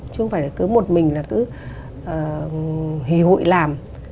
chứ không phải cứ một mình là cứ hì hụi làm